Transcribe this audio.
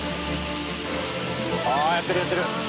ああやってるやってる！